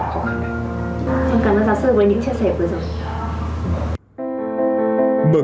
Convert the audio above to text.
xin cảm ơn giáo sư với những chia sẻ vừa rồi